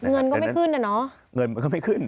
เงินก็ไม่ขึ้นน่ะเนอะเงินมันก็ไม่ขึ้น